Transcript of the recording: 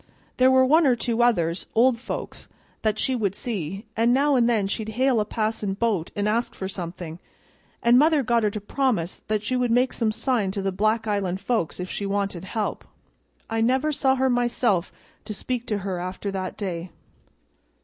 There were one or two others, old folks, that she would see, and now an' then she'd hail a passin' boat an' ask for somethin'; and mother got her to promise that she would make some sign to the Black Island folks if she wanted help. I never saw her myself to speak to after that day."